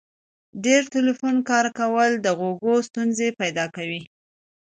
ډیر ټلیفون کارول د غوږو ستونزي پیدا کوي.